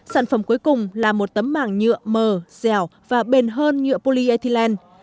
sản phẩm cuối cùng là một tấm màng nhựa mờ dẻo và bền hơn nhựa polyethylene